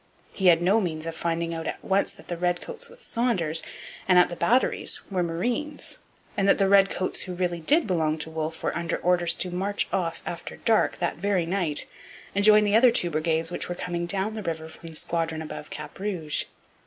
He had no means of finding out at once that the redcoats with Saunders and at the batteries were marines, and that the redcoats who really did belong to Wolfe were under orders to march off after dark that very night and join the other two brigades which were coming down the river from the squadron above Cap Rouge.